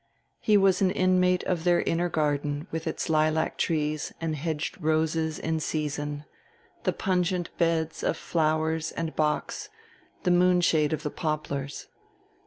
He was an inmate of their inner garden with its lilac trees and hedged roses in season, the pungent beds of flowers and box, the moonshade of the poplars.